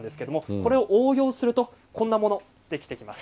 これを応用するとこんなものもできてきます。